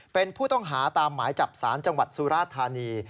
เป็นผู้ต้องหาตามหมายจับสารจังหวัดสุราธานี